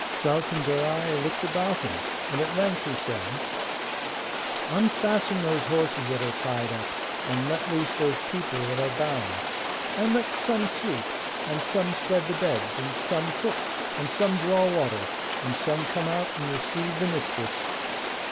Sultan Darai looked about him, and at length he said: 'Unfasten those horses that are tied up, and let loose those people that are bound. And let some sweep, and some spread the beds, and some cook, and some draw water, and some come out and receive the mistress.